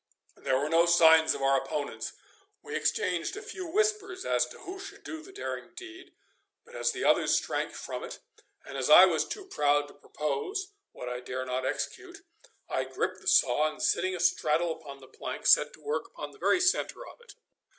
There were no signs of our opponents. We exchanged a few whispers as to who should do the daring deed, but as the others shrank from it, and as I was too proud to propose what I dare not execute, I gripped the saw, and sitting astraddle upon the plank set to work upon the very centre of it.